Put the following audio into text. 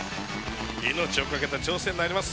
命を懸けた挑戦になります